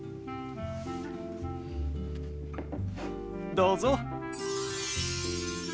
どうぞ。